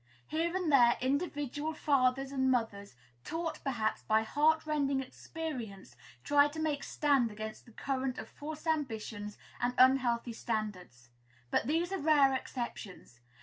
Here and there, individual fathers and mothers, taught, perhaps, by heart rending experience, try to make stand against the current of false ambitions and unhealthy standards. But these are rare exceptions.